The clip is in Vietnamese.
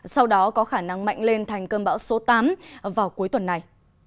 sau đó có khả năng mạnh lên thành cơn bão số tám vào cuối tuần này